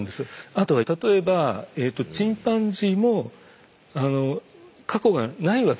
あとは例えばチンパンジーも過去がないわけじゃないんですね。